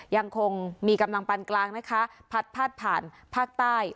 ยังคงมีกำลังปันกลางนะคะพัดพาดผ่านภาคใต้